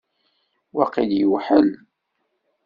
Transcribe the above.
Waqil yewḥel.